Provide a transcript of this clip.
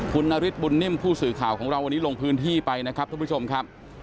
คุณนฤทธบุญนิ่มผู้สื่อข่าวของเราวันนี้ลงพื้นที่ไปนะครับทุกผู้ชมครับ